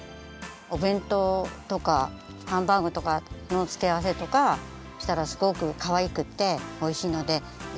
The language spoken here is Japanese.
おべんとうとかハンバーグとかのつけあわせとかしたらすごくかわいくっておいしいのでやってみてください。